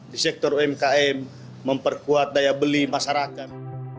di sektor umkm memperkuat daya beli masyarakat